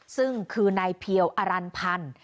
ซึ่งคือนายเพียวอรันพันธ์